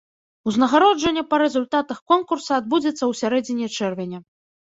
Узнагароджанне па рэзультатах конкурса адбудзецца ў сярэдзіне чэрвеня.